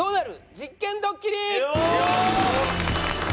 実験ドッキリ」！